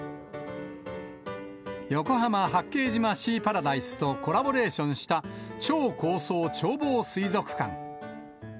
横浜・八景島シーパラダイスとコラボレーションした、超高層眺望水族館。